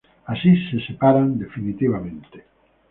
Así se separan definitivamente.